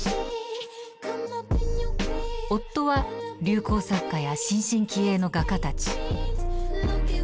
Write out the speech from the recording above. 夫は流行作家や新進気鋭の画家たち。